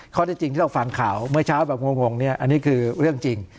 ข้อที่จริงที่เราฟังข่าวเมื่อเช้าแบบงงเนี่ยอันนี้คือเรื่องจริง